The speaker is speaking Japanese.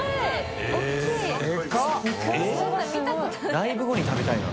ライブ後に食べたいな。